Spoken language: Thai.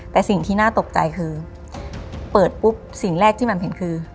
แต่สิ่งที่น่าตกใจคือเปิดปุ๊บสิ่งแรกที่แหม่มเห็นคือ